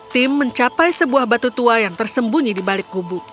tim mencapai sebuah batu tua yang tersembunyi di balik gubuk